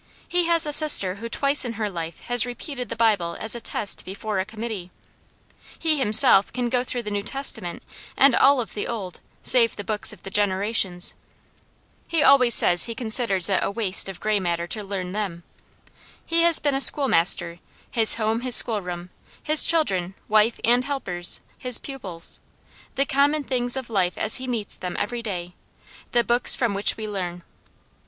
He has a sister who twice in her life has repeated the Bible as a test before a committee. He, himself, can go through the New Testament and all of the Old save the books of the generations. He always says he considers it a waste of gray matter to learn them. He has been a schoolmaster, his home his schoolroom, his children, wife and helpers his pupils; the common things of life as he meets them every day, the books from which we learn.